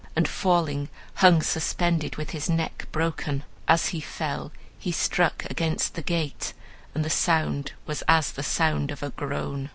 and falling hung suspended with his neck broken. As he fell he struck against the gate, and the sound was as the sound of a groan.